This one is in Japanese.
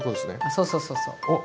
そうそうそうそう。